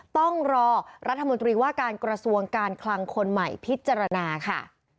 ต้องรอรัฐมนตรีว่าการกระทรวงการคลังคนใหม่พิจารณาค่ะ